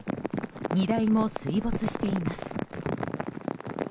荷台も水没しています。